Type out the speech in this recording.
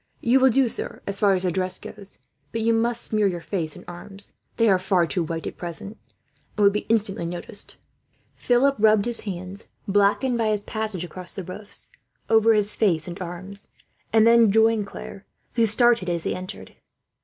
"You will do, sir, as far as the dress goes; but you must smear your face and arms. They are far too white, at present, and would be instantly noticed." Philip rubbed his hands, blackened by his passage across the roofs, over his face and arms; and then joined Claire, who started, as he entered.